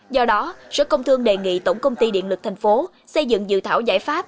do đó sở công thương đề nghị tổng công ty điện lực thành phố xây dựng dự thảo giải pháp